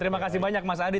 terima kasih banyak mas adi